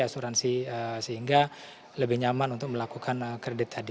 asuransi sehingga lebih nyaman untuk melakukan kredit tadi